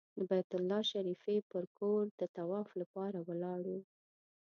د بیت الله شریفې پر لور د طواف لپاره ولاړو.